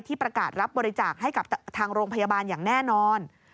ประกาศรับบริจาคให้กับทางโรงพยาบาลอย่างแน่นอน